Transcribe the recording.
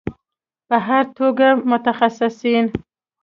په هر توګه متخصصین